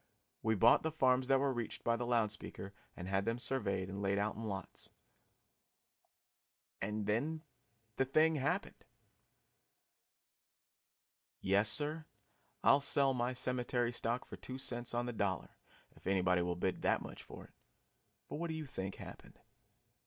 We bought the farms that were reached by the loud speaker and had them surveyed and laid out in lots and then the thing happened! Yes, sir, I'll sell my cemetery stock for two cents on the dollar, if anybody will bid that much for it. For what do you think happened?